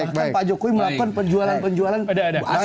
bahkan pak jokowi melakukan penjualan penjualan aset